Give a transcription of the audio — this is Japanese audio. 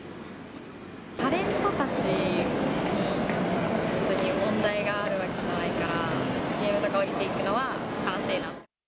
タレントたちに別に問題があるわけじゃないから、ＣＭとか降りていくのは悲しいなと。